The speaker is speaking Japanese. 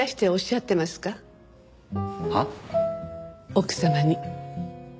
奥様に。